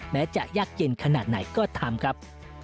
แม้จะยากเย็นขนาดไหนก็ตามครับ